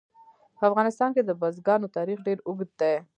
په افغانستان کې د بزګانو تاریخ ډېر اوږد دی.